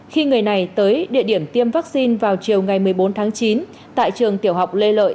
khi người này tới địa điểm tiêm vaccine vào chiều ngày một mươi bốn tháng chín tại trường tiểu học lê lợi